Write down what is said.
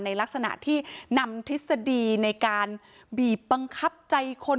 ในลักษณะที่นำทฤษฎีในการบีบบังคับใจคน